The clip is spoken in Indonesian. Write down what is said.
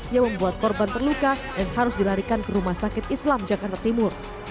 yang membuat korban terluka dan harus dilarikan ke rumah sakit islam jakarta timur